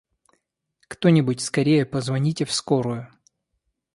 Кто-нибудь, скорее позвоните в скорую!